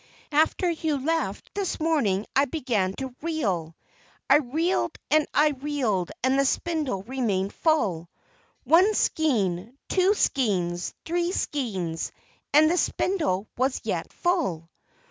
"After you left this morning I began to reel. I reeled and I reeled, and the spindle remained full. One skein! two skeins! three skeins! and the spindle was yet full!